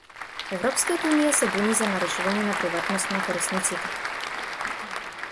Европската Унија се буни за нарушување на приватноста на корисниците.